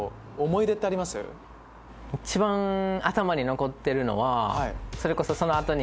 一番頭に残ってるのはそれこそその後に。